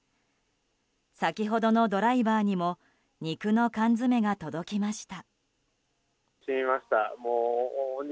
先ほどのドライバーにも肉の缶詰が届きました。